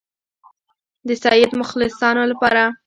د سید مخلصانو لپاره.